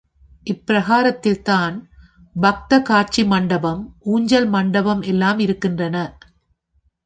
இப்பிரகாரத்தில் தான் பக்த காட்சி மண்டபம், ஊஞ்சல் மண்டபம் எல்லாம் இருக்கின்றன.